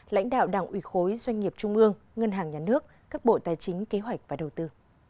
lãnh đạo đảng ủy khối doanh nghiệp trung ương ngân hàng nhà nước các bộ tài chính kế hoạch và đầu tư